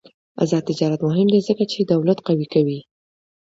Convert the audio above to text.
آزاد تجارت مهم دی ځکه چې دولت قوي کوي.